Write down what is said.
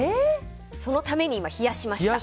そのために今、冷やしました。